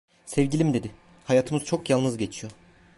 "Sevgilim" dedi, "hayatımız çok yalnız geçiyor.